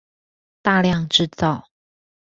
大量製造